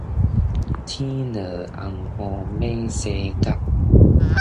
天落紅雨，馬生角